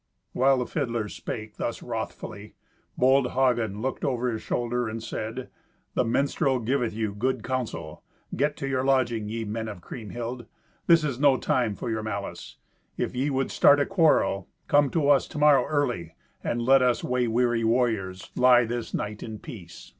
While the fiddler spake thus wrothfully, bold Hagen looked over his shoulder and said, "The minstrel giveth you good counsel. Get to your lodging, ye men of Kriemhild. This is no time for your malice. If ye would start a quarrel, come to us to morrow early, and let us way weary warriors lie this night in peace.